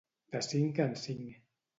De cinc en cinc.